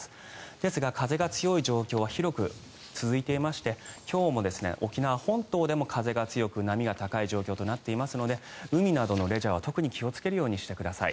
ですが、風が強い状況は広く続いておりまして今日も沖縄本島でも風が強く波が高い状況となっていますので海などのレジャーは特に気をつけるようにしてください。